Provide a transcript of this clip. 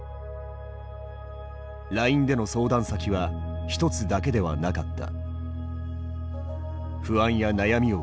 ＬＩＮＥでの相談先は一つだけではなかった。